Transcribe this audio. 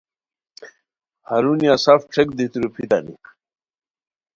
ہرونیہ سف څھک دیتی روپھیتانی